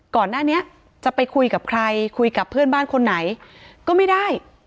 ก่อนหน้านี้จะไปคุยกับใครคุยกับเพื่อนบ้านคนไหนก็ไม่ได้